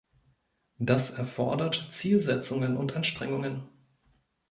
Das erfordert Zielsetzungen und Anstrengungen.